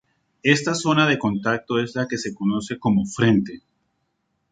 Esta zona de contacto es la que se conoce como frente.